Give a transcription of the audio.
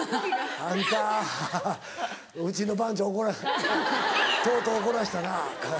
あんたうちの番長怒らせとうとう怒らせたな。